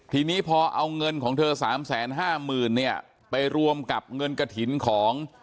ทีนี้พอเอาเงินของเธอ๓๕๐๐๐๐เนี่ยไปรวมกับเงินกะถินของ